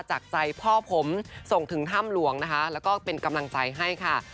จากใจพ่อผมส่งถึงถ้ำหลวงนะคะแล้วก็เป็นกำลังใจให้ค่ะ